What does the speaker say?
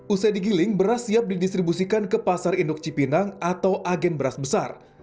usai digiling beras siap didistribusikan ke pasar induk cipinang atau agen beras besar